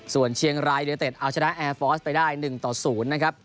สวนเชียงรายยูไนท์เอาชนะแอร์ฟอสไปได้๑๐นะครับ